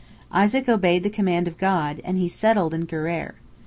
" Isaac obeyed the command of God, and he settled in Gerar.